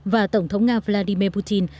và tổng thống nga vladimir putin